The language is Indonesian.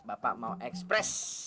bapak mau ekspres